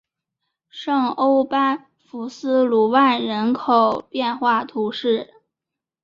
圣欧班福斯卢万人口变化图示